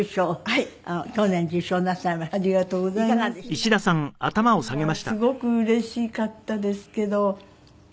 すごくうれしかったですけど。